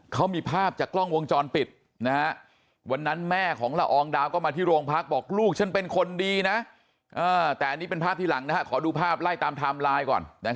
เขามีภาพจากกล้องวงจรปิดนะฮะวันนั้นแม่ของละอองดาวก็มาที่โรงพัก